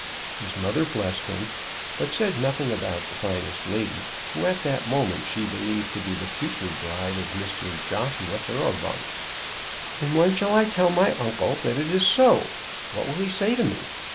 His mother blessed him, but said nothing about the finest lady, who at that moment she believed to be the future bride of Mr. Joshua Thoroughbung. "And when I shall tell my uncle that it is so, what will he say to me?